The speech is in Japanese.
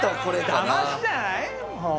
だましじゃない？